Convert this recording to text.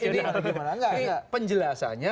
ini gimana enggak enggak penjelasannya